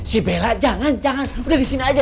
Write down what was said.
si bella jangan jangan udah disini aja